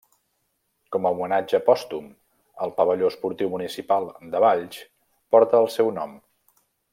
Com a homenatge pòstum, el pavelló esportiu municipal de Valls porta el seu nom.